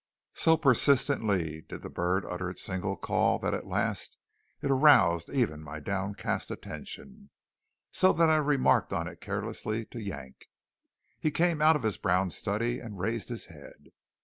So persistently did the bird utter its single call that at last it aroused even my downcast attention, so that I remarked on it carelessly to Yank. He came out of his brown study and raised his head.